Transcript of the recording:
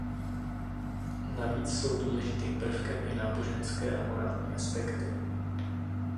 Navíc jsou důležitým prvkem i náboženské a morální aspekty.